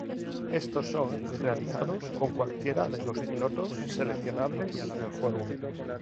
Estos son realizados con cualquiera de los pilotos seleccionables del juego.